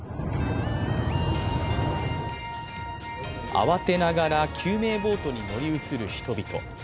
慌てながら救命ボートに乗り移る人々。